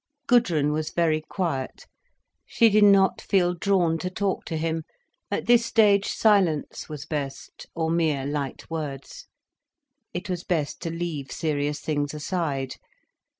Gudrun was very quiet. She did not feel drawn to talk to him. At this stage, silence was best—or mere light words. It was best to leave serious things aside.